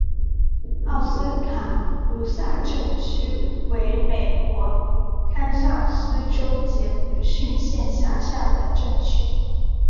奥斯卡卢萨镇区为美国堪萨斯州杰佛逊县辖下的镇区。